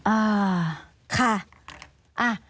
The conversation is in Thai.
อ่าค่ะ